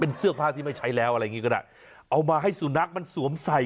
เป็นเสื้อผ้าที่ไม่ใช้แล้วอะไรอย่างงี้ก็ได้เอามาให้สุนัขมันสวมใส่